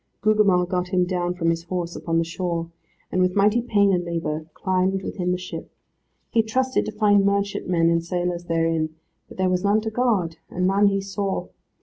Gugemar got him down from his horse upon the shore, and with mighty pain and labour climbed within the ship. He trusted to find merchantmen and sailors therein, but there was none to guard, and none he saw.